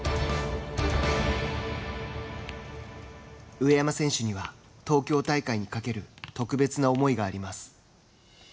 上山選手には、東京大会に懸ける特別な思いがあります。